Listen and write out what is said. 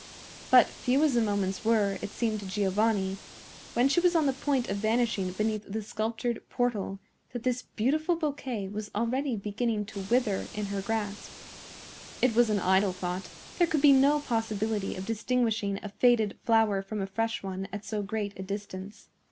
But few as the moments were, it seemed to Giovanni, when she was on the point of vanishing beneath the sculptured portal, that his beautiful bouquet was already beginning to wither in her grasp. It was an idle thought; there could be no possibility of distinguishing a faded flower from a fresh one at so great a distance.